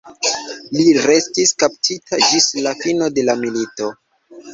Li restis kaptita ĝis la fino de la milito.